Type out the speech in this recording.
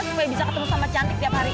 gue bisa ketemu sama cantik tiap hari